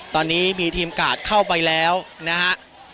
ตอนนี้มีทีมกาดเข้าไปแล้วนะฮะ